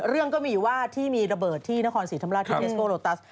เรื่องก็มีว่าที่มีระเบิดที่นครศรีธรรมราชที่เทสโกโลตัส